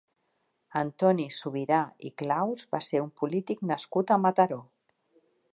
Antoni Subirà i Claus va ser un polític nascut a Mataró.